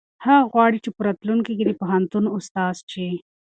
هغه غواړي چې په راتلونکي کې د پوهنتون استاد شي.